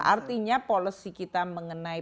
artinya polisi kita mengenai